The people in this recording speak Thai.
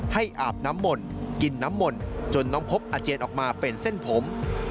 ให้อาบน้ำม่นกินน้ำม่นจนน้องพบอาเจียนออกมาเปลี่ยนเส้นผม